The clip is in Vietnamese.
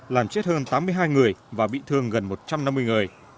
làm chết hơn tám mươi hai người và bị thương gần một trăm năm mươi người